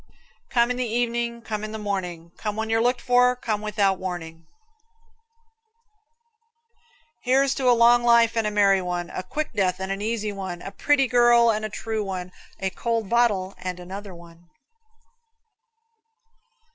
Come in the evening, come in the morning, Come when you're looked for, come without warning. Here's to a long life and a merry one, A quick death and an easy one, A pretty girl and a true one, A cold bottle and another one.